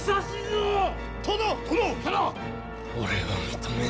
俺は認めぬ。